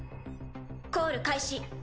コール開始。